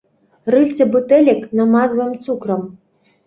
Рыльцы бутэлек намазваем цукрам.